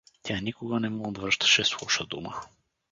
Тя никога не му отвръщаше с лоша дума.